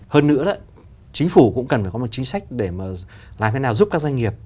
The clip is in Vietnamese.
hơn nữa đó chính phủ cũng cần phải có một chính sách để mà làm thế nào giúp các doanh nghiệp